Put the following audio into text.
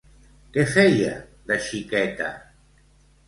Què feia de xiqueta?